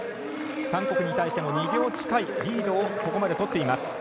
韓国に対しても２秒近いリードをここまでとっています。